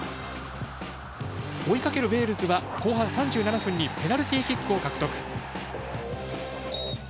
追いかけるウェールズは後半３７分にペナルティーキックを獲得。